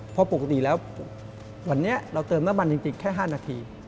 เพราะปกติแล้ววันนี้เราเติมน้ำมันจริงแค่๕นาที